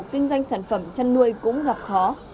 tinh doanh sản phẩm chăn nuôi cũng gặp khó